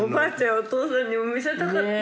おとうさんにも見せたかった。